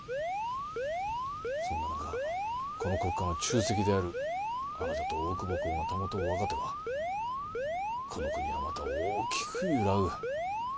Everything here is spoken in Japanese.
そんな中この国家の柱石であるあなたと大久保公がたもとを分かてばこの国はまた大きく揺らぐ。